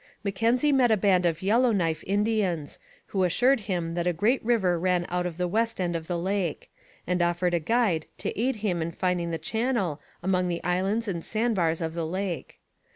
Mackenzie met a band of Yellow Knife Indians, who assured him that a great river ran out of the west end of the lake, and offered a guide to aid him in finding the channel among the islands and sandbars of the lake.